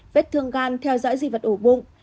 vết thương gan theo dõi di vật ổ bụng